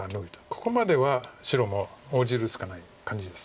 ここまでは白も応じるしかない感じです。